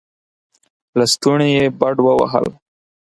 لستوڼې يې بډ ووهل.